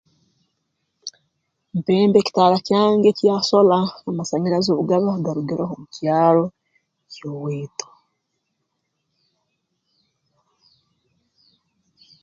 Mpemba ekitaara kyange kya sola amasanyarazi obu gaba garugireho mu kyaro ky'owaitu